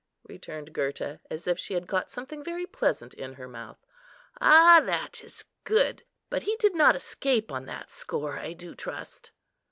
returned Gurta, as if she had got something very pleasant in her mouth; "ah! that is good! but he did not escape on that score, I do trust."